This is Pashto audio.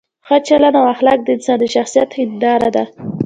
ښه چلند او اخلاق د انسان د شخصیت هنداره ده.